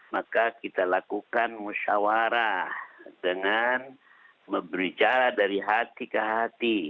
maka kita lakukan musyawarah dengan berbicara dari hati ke hati